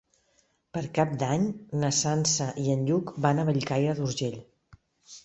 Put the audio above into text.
Per Cap d'Any na Sança i en Lluc van a Bellcaire d'Urgell.